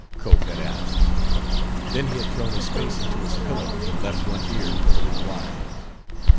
Cope had asked. Then he had thrown his face into his pillow and left one ear for the reply.